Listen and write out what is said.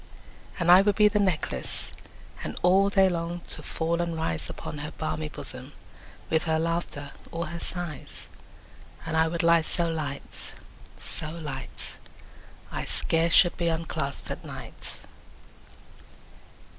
And I would be the necklace, And all day long to fall and rise Upon her balmy bosom, 15 With her laughter or her sighs: And I would lie so light, so light, I scarce should be unclasp'd at night.